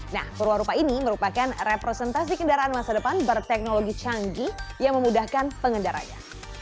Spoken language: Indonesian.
nah perwarupa ini merupakan representasi kendaraan masa depan berteknologi canggih yang memudahkan pengendaranya